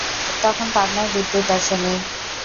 তখনও পাবনায় বিদ্যুৎ আসেনি।